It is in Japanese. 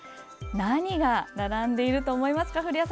何が並んでいると思いますか？